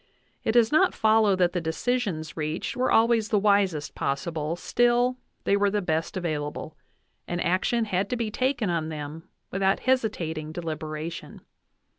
It does not follow that the decisions reached were always the wisest possible, still they were the best avail able, and action had to be taken on them without hesitating deliberation.